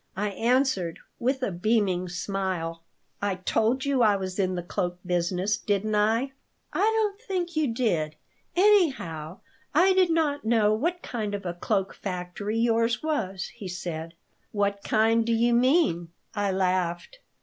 I answered, with a beaming smile, "I told you I was in the cloak business, didn't I?" "I don't think you did. Anyhow, I did not know what kind of a cloak factory yours was," he said "What kind do you mean?" I laughed.